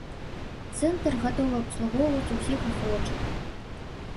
Цэнтр гатовы абслугоўваць усіх ахвочых.